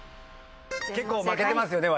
結構負けてますよね